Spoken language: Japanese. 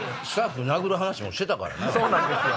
そうなんですよ